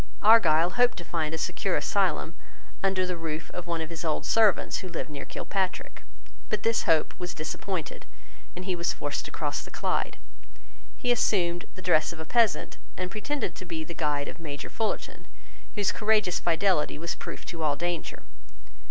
Argyle hoped to find a secure asylum under the roof of one of his old servants who lived near Kilpatrick. But this hope was disappointed; and he was forced to cross the Clyde. He assumed the dress of a peasant and pretended to be the guide of Major Fullarton, whose courageous fidelity was proof to all danger.